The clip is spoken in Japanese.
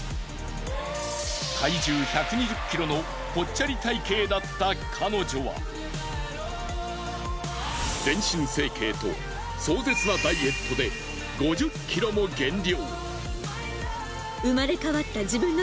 体重１２０ｋｇのぽっちゃり体型だった彼女は全身整形と壮絶なダイエットで５０ｋｇも減量。